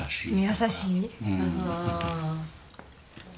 優しい。